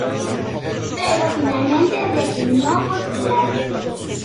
Pero finalmente declinó postularse.